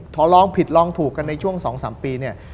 พอลองผิดลองถูกกันในช่วง๒๓ปีเนี่ย